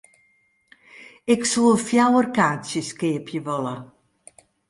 Ik soe fjouwer kaartsjes keapje wolle.